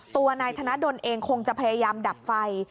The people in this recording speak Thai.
ตัวนายธนดลเองคงจะพยายามดับไฟ